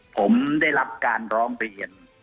ผมได้รับการร้องไปเห็นลืมวิเนียมหากว่า